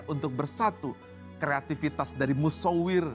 untuk bersatu kreativitas dari musowir